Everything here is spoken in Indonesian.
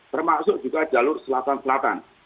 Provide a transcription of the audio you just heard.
termasuk juga jalur selatan selatan